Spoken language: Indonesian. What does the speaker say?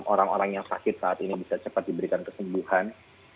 orang orang yang sakit saat ini bisa cepat diberikan kesembuhan